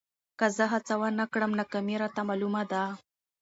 که زه هڅه ونه کړم، ناکامي راته معلومه ده.